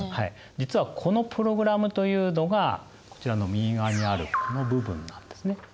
実はこのプログラムというのがこちらの右側にあるこの部分なんですね。